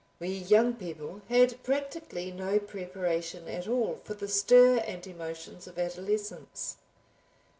We young people had practically no preparation at all for the stir and emotions of adolescence.